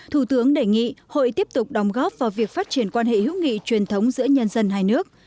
thủ tướng đề nghị hội tiếp tục đóng góp vào việc phát triển quan hệ hữu nghị truyền thống giữa nhân dân hai nước